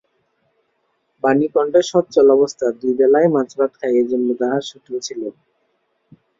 বাণীকণ্ঠের সচ্ছল অবস্থা, দুইবেলাই মাছভাত খায়, এ জন্য তাহার শত্রু ছিল।